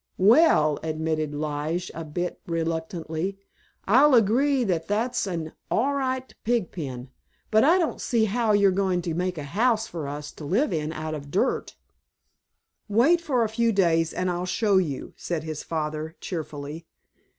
"Well," admitted Lige a bit reluctantly, "I'll agree that that's an all right pig pen, but I don't see yet how you're ever going to make a house for us to live in out of dirt!" "Wait for a few days and I'll show you," said his father cheerfully.